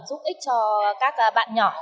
giúp ích cho các bạn nhỏ